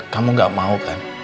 kamu gak mau kan